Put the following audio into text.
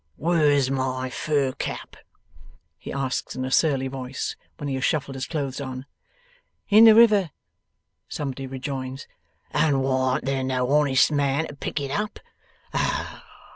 'Where's my fur cap?' he asks in a surly voice, when he has shuffled his clothes on. 'In the river,' somebody rejoins. 'And warn't there no honest man to pick it up?